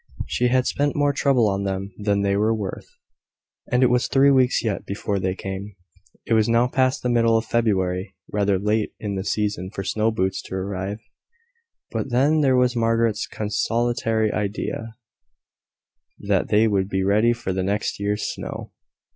She had spent more trouble on them than they were worth; and it was three weeks yet before they came. It was now past the middle of February rather late in the season for snow boots to arrive: but then there was Margaret's consolatory idea, that they would be ready for next year's snow.